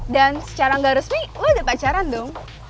dan secara gak resmi lo udah pacaran dong